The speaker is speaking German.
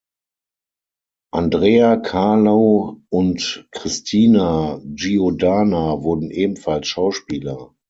Andrea, Carlo und Cristina Giordana wurden ebenfalls Schauspieler.